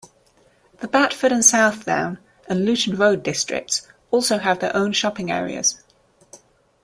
The Batford and Southdown, and Luton Road districts also have their own shopping areas.